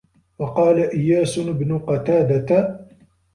وَقَالَ إيَاسُ بْنُ قَتَادَةَ